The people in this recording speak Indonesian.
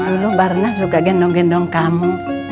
lalu barna suka gendong gendong kamu